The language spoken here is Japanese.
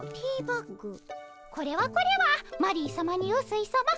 これはこれはマリーさまにうすいさま。